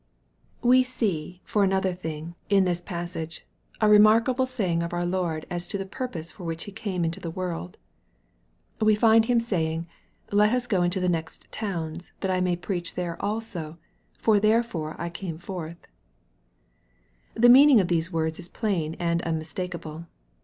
We see, for another thing, in this passage, a remark abh saying of our Lord as to the purpose for which He came into the world. We find Him saying, " let us go into the next towns, that I may preach there also : for there fore came I forth." The meaning of these words is plain and umnistakeable.